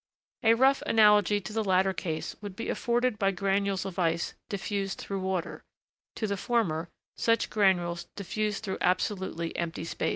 A rough analogy to the latter case would be afforded by granules of ice diffused through water; to the former, such granules diffused through absolutely empty space.